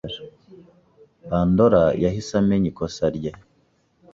Bandora yahise amenya ikosa rye.